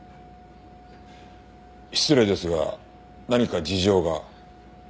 失礼ですが何か事情が？